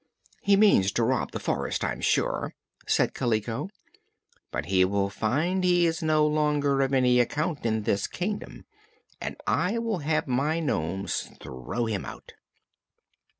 "He means to rob the Forest, I'm sure," said Kaliko; "but he will find he is no longer of any account in this Kingdom and I will have my nomes throw him out."